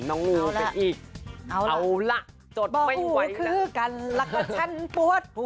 ๕๓น้องอู๋เป็นอีกเอาล่ะจดไว้น้องอู๋คือกันแล้วก็ฉันปวดหัว